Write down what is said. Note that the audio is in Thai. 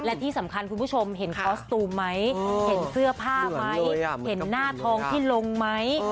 และที่สำคัญคุณผู้ชมเห็นคอสตูมไหมเห็นเสื้อผ้าไหมเห็นหน้าทองที่ลงไหม